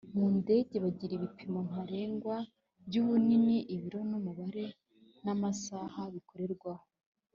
mu ndege bagira ibipimo ntarengwa by’ ubunini , ibiro n’ umubare n’amasaha bikorerwaho.